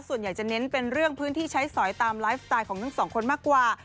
ส่วนใหญ่จะเน้นเป็นเรื่องพื้นที่ใช้สอยตามไลฟ์สไตล์ของทั้งสองคนมากกว่า